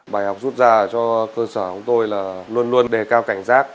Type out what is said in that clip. bài học rút ra cho cơ sở của tôi là luôn luôn đề cao cảnh giác